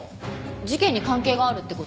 事件に関係があるって事？